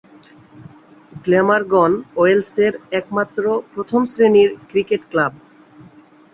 Glamorgan ওয়েলসের একমাত্র প্রথম-শ্রেণীর ক্রিকেট ক্লাব।